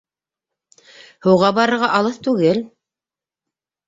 Һыуға барырға алыҫ түгел.